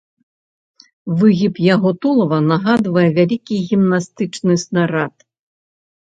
Выгіб яго тулава нагадвае вялікі гімнастычны снарад.